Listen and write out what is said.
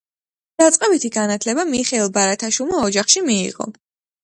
დაწყებითი განათლება მიხეილ ბარათაშვილმა ოჯახში მიიღო.